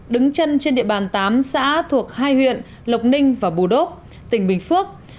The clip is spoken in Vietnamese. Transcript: đứng chân trên địa bàn tám xã thuộc hai huyện lộc ninh và bù đốc tỉnh bình phước